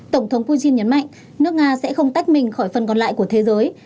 tổng thống putin nhấn mạnh nước nga sẽ không tách mình khỏi phần còn lại của thế giới